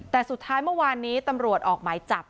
แต่สุดท้ายเมื่อวานนี้ตำรวจออกหมายจับ